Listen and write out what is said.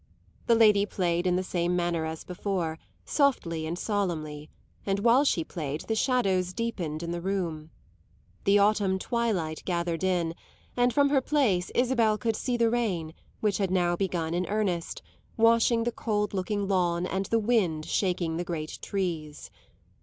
The lady played in the same manner as before, softly and solemnly, and while she played the shadows deepened in the room. The autumn twilight gathered in, and from her place Isabel could see the rain, which had now begun in earnest, washing the cold looking lawn and the wind shaking the great trees.